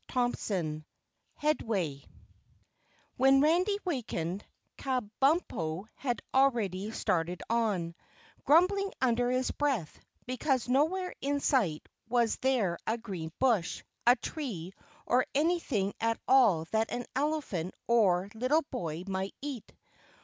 CHAPTER 5 Headway When Randy wakened, Kabumpo had already started on, grumbling under his breath, because nowhere in sight was there a green bush, a tree or anything at all that an elephant or little boy might eat.